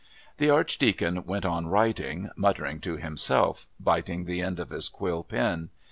The Archdeacon went on writing, muttering to himself, biting the end of his quill pen.